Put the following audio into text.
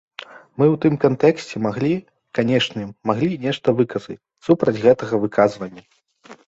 Мы ў тым кантэксце маглі, канешне, маглі нешта выказаць супраць гэтага выказвання.